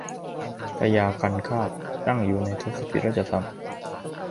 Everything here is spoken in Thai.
พญาคันคากตั้งอยู่ในทศพิธราชธรรม